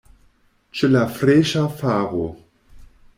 Ĉe la freŝa faro.